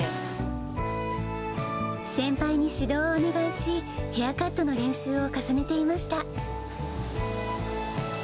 先輩に指導をお願いし、ヘアカットの練習を重ねていました。